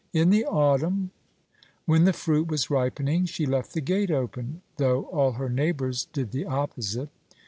In the autumn, when the fruit was ripening, she left the gate open, though all her neighbours did the opposite.